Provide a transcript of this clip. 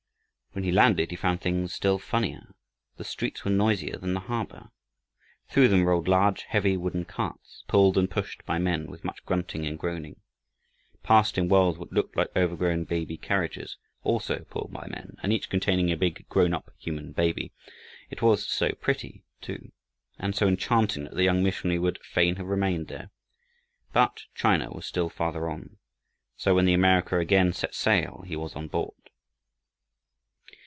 When he landed he found things still funnier. The streets were noisier than the harbor. Through them rolled large heavy wooden carts, pulled and pushed by men, with much grunting and groaning. Past him whirled what looked like overgrown baby carriages, also pulled by men, and each containing a big grown up human baby. It was all so pretty too, and so enchanting that the young missionary would fain have remained there. But China was still farther on, so when the America again set sail, he was on board.